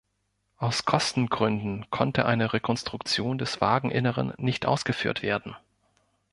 Aus Kostengründen konnte eine Rekonstruktion des Wageninneren nicht ausgeführt werden.